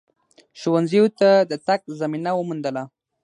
ښونځیو ته د تگ زمینه وموندله